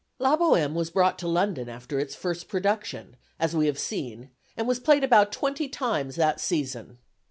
La Bohème was brought to London after its first production, as we have seen, and was played about twenty times that season.